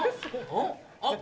あっ！